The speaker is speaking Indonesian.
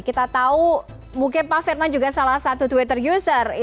kita tahu mungkin pak firman juga salah satu twitter user